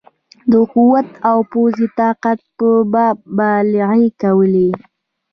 د قوت او پوځي طاقت په باب مبالغې کولې.